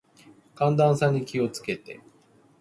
寒暖差に気を付けて。